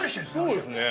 ◆そうですね。